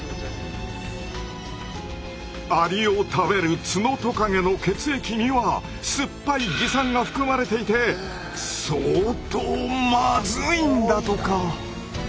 アリを食べるツノトカゲの血液には酸っぱい蟻酸が含まれていて相当マズイんだとか。